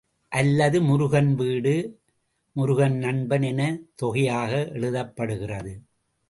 அல்லது, முருகன் வீடு, முருகன் நண்பன் எனத் தொகையாக எழுதப்படுகிறது.